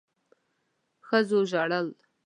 ښځو ژړل.